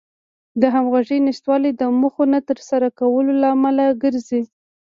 د همغږۍ نشتوالی د موخو نه تر سره کېدلو لامل ګرځي.